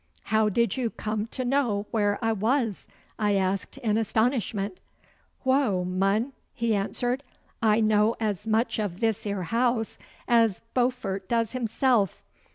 'How did you come to know where I was?' I asked in astonishment. 'Whoy, mun,' he answered, 'I know as much of this 'ere house as Beaufort does himsel'.